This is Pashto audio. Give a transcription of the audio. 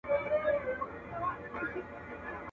په سپینه ورځ غلو زخمي کړی تښتولی چنار.